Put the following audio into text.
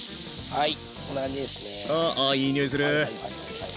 はい。